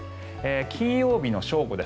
金曜日の正午です。